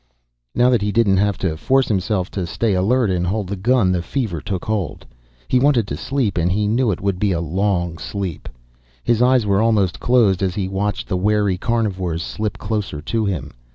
Now that he didn't have to force himself to stay alert and hold the gun, the fever took hold. He wanted to sleep and he knew it would be a long sleep. His eyes were almost closed as he watched the wary carnivores slip closer to him.